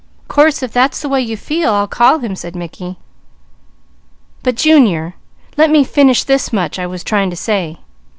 "Course if that's the way you feel, I'll call him," said Mickey, "but Junior, let me finish this much I was trying to say.